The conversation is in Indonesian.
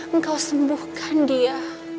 engkau sembuhkan dia